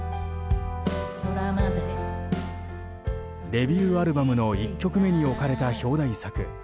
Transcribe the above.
デビューアルバムの１曲目に置かれた表題作。